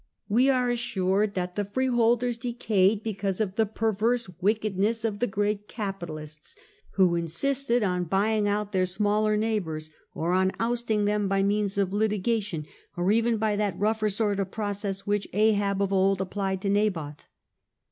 We are assured that the freeholders decayed because of the perverse wickedness of the great capi talists, who insisted on buying out their smaller neigh bours, or on ousting them by means of litigation, or even by that rougher sort of process which Ahab of old applied to Naboth.